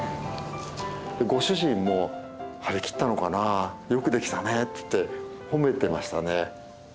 ご主人も「張り切ったのかなよくできたね」って言って褒めてましたね。